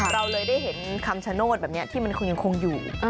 เราเลยได้เห็นคำชโนธแบบนี้ที่มันคงยังคงอยู่